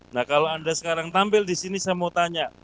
nah kalau anda sekarang tampil di sini saya mau tanya